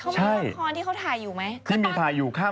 ใช่ก็ไม่มีละครที่เค้าถ่ายอยู่ไหม